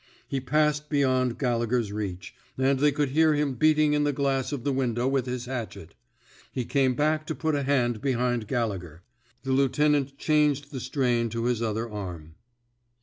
He passed beyond Gallegher's reach, and they could hear him beating in the glass of the window with his hatchet. He came back to put a hand behind Gallegher. The lieutenant changed the strain to his other arm.